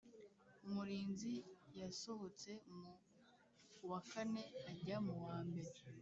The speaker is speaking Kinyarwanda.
Umurinzi yasohotse mu wa kane ajya muwa mbere